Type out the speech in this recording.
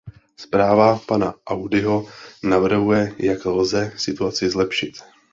Zpráva pana Audyho navrhuje, jak lze situaci zlepšit.